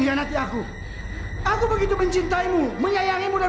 pilihan mirip mereka dengan masing kurang juga dahan olah kekuatan